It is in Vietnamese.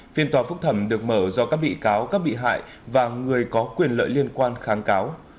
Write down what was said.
phiên tòa phúc thẩm được mở do các bị cáo các bị hại và người có quyền lợi liên quan kháng cáo